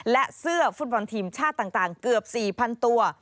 และเสื้อฟุตบอลทีมชาติต่างเกือบ๔๐๐๐ตัว